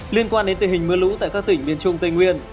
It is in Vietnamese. liên quan đến tình hình mưa lũ tại các tỉnh miền trung tây nguyên